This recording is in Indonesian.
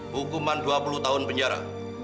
hukuman dua puluh tahun penjara